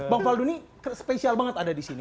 bang faldo ini spesial banget ada disini